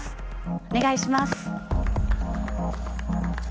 お願いします。